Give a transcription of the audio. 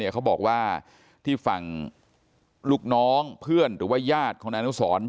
เขาบอกว่าที่ฝั่งลูกน้องเพื่อนหรือว่าญาติของนายอนุสร